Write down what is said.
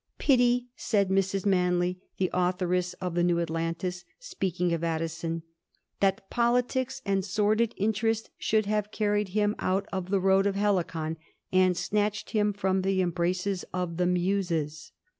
^ Pity,' said Mrs. Manley, the authoress of * The New Atlantis,' speaking of Addison, ' that politics and sordid interest should have carried him out of the road of Helicon and snatched him from the embraces of the Muses.'